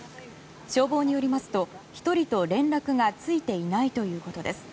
消防によりますと、１人と連絡がついていないということです。